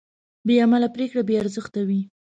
بېعمله پرېکړه بېارزښته وي.